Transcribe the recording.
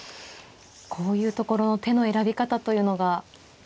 こういうところの手の選び方というのが。